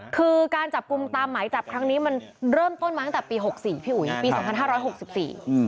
คือการจับกลุ่มตามหมายจับครั้งนี้มันเริ่มต้นมาตั้งแต่ปี๖๔พี่อุ๋ยปี๒๕๖๔